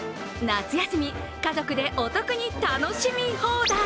夏休み、家族でお得に楽しみ放題。